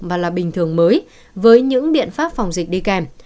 mà là bình thường mới với những điện pháp phòng dịch đi kèm